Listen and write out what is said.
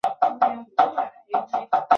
十八年授总理衙门章京。